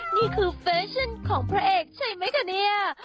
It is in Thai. นี่คือแฟชั่นของพระเอกใช่ไหมคะเนี่ย